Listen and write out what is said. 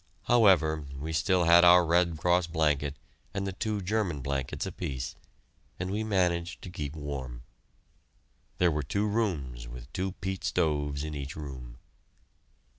However, we still had our Red Cross blanket and the two German blankets apiece, and we managed to keep warm. There were two rooms with two peat stoves in each room.